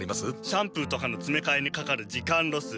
シャンプーとかのつめかえにかかる時間ロス。